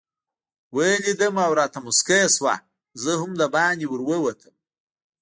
ویې لیدم او راته مسکۍ شوه، زه هم دباندې ورووتم.